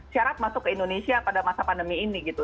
syarat masuk ke indonesia pada masa pandemi ini gitu